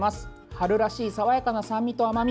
春らしい爽やかな酸味と甘味